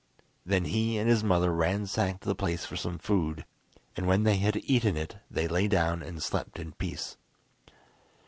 Then he and his mother ransacked the place for some food, and when they had eaten it they lay down and slept in peace.